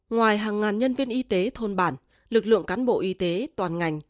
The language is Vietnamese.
ngoài hàng ngàn nhân viên y tế thôn bản lực lượng cán bộ y tế toàn ngành